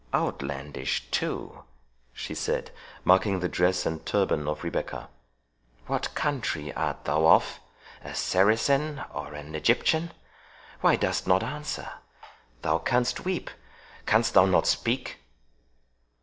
Outlandish, too," she said, marking the dress and turban of Rebecca—"What country art thou of?—a Saracen? or an Egyptian?—Why dost not answer?—thou canst weep, canst thou not speak?"